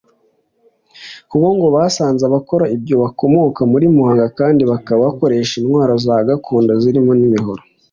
kuko ngo basanze abakora ibyo bakomoka muri Muhanga kandi bakaba bakoresha intwaro za gakondo zirimo n’imihoro